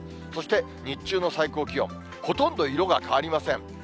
そして日中の最高気温、ほとんど色が変わりません。